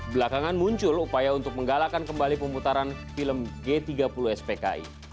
belakangan muncul upaya untuk menggalakkan kembali pemutaran film g tiga puluh spki